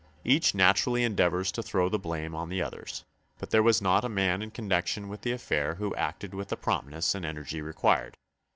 Each naturally endeavors to throw the blame on the others, but there was not a man in connection with the affair who acted with the promptness and energy required.